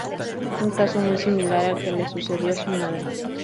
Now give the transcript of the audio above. Un caso muy similar al que le sucedió a su madre.